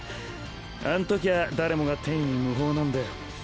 あんときは誰もが天衣無縫なんだよ。